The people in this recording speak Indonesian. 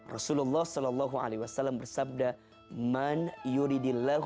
rasulullah saw bersabda